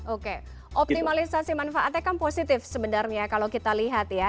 oke optimalisasi manfaatnya kan positif sebenarnya kalau kita lihat ya